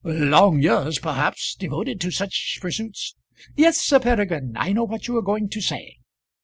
"Long years, perhaps, devoted to such pursuits " "Yes, Sir Peregrine; I know what you are going to say.